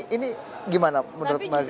ini gimana menurut mbak grace